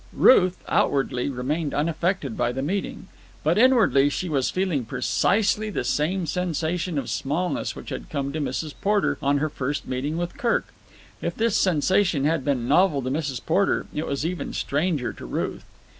Ruth, outwardly, remained unaffected by the meeting, but inwardly she was feeling precisely the same sensation of smallness which had come to Mrs. Porter on her first meeting with Kirk. If this sensation had been novel to Mrs. Porter, it was even stranger to Ruth.